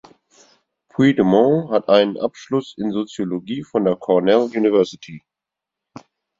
Puigdemont hat einen Abschluss in Soziologie von der Cornell University.